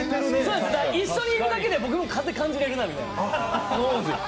一緒にいるだけで、僕も風感じれるなみたいな。